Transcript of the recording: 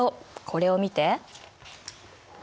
これを見て。